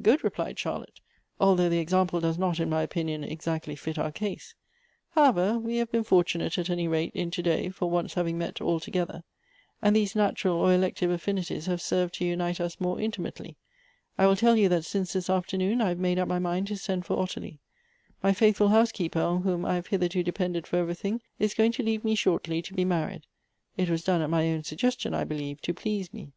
Good," replied Charlotte ;" although the example does not, in my opinion, exactly fit our case. However, we have been fortunate, at any rate, in to day for once having met all together ; and these natural or elective aflinities have served to unite us more intimately. I will tell you, that since this afternoon I have made up my mind to send for Ottilie. My faithful housekeeper, on whom I have hitherto depended for everything, is going to leave me shortly, to be married. (It was done at my own suggestion, I believe, to please mc.)